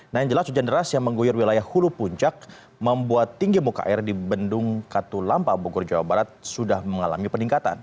nah yang jelas hujan deras yang mengguyur wilayah hulu puncak membuat tinggi muka air di bendung katulampa bogor jawa barat sudah mengalami peningkatan